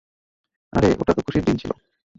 আরে ওটা তো খুশির দিন ছিল।